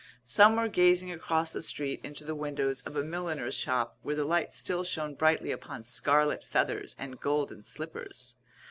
Some were gazing across the street into the windows of a milliner's shop where the light still shone brightly upon scarlet feathers and golden slippers.